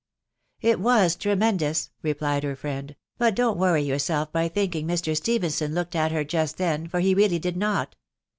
" It was tremendous;*' replied lier friend : w hnt don/tiworry yourself by thinking Mr. Stephenson looked at 'her jttat Hum, for he really dM not.